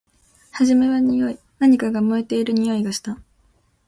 はじめはにおい。何かが燃えているにおいがした。